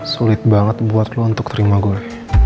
sulit banget buat lu untuk terima gue